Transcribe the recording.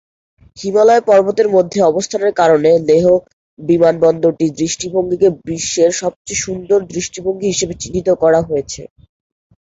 হিমালয় পর্বতের মধ্যে অবস্থানের কারণে, লেহ বিমানবন্দরটির দৃষ্টিভঙ্গিকে বিশ্বের সবচেয়ে সুন্দর দৃষ্টিভঙ্গি হিসাবে চিহ্নিত করা হয়েছে।